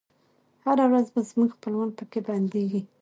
هره ورځ به زموږ خپلوان پکښي بندیږی